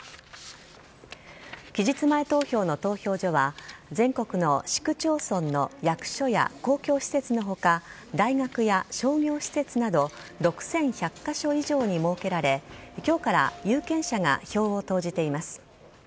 期日前投票の投票所は全国の市区町村の役所や公共施設の他大学や商業施設など６１００カ所以上に設けられ今日から有権者が票を投じています。